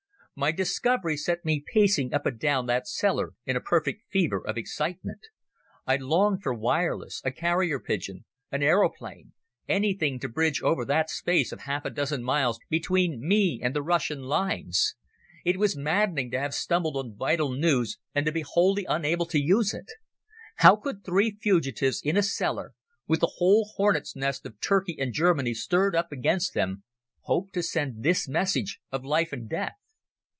My discovery set me pacing up and down that cellar in a perfect fever of excitement. I longed for wireless, a carrier pigeon, an aeroplane—anything to bridge over that space of half a dozen miles between me and the Russian lines. It was maddening to have stumbled on vital news and to be wholly unable to use it. How could three fugitives in a cellar, with the whole hornet's nest of Turkey and Germany stirred up against them, hope to send this message of life and death?